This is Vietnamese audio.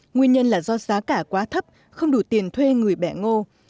nguyên nhân là do giá cả quá thấp không đủ tiền thuê người bẻ ngô